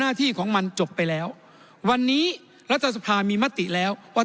หน้าที่ของมันจบไปแล้ววันนี้รัฐสภามีมติแล้วว่า